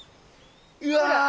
うわ！